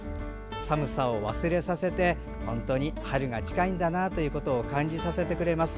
寒さを忘れさせて本当に春が近いんだなと感じさせてくれます。